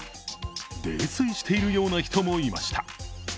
泥酔しているような人もいました。